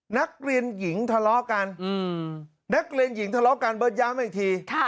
นักเรียนหญิงทะเลาะกันนักเรียนหญิงทะเลาะกันเบิร์ตย้ำอีกที